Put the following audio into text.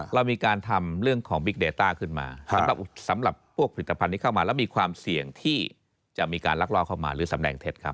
แล้วมีความเสี่ยงที่จะมีการลักล่อเข้ามาหรือสำแหน่งเทศครับ